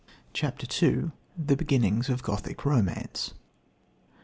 CHAPTER II THE BEGINNINGS OF GOTHIC ROMANCE.